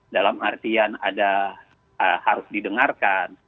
dalam artian ada harus didengarkan